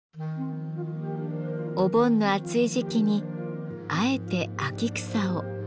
お盆の暑い時期にあえて秋草を。